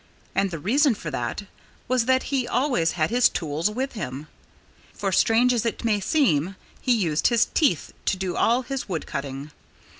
And the reason for that was that he always had his tools with him. For strange as it may seem, he used his teeth to do all his wood cutting.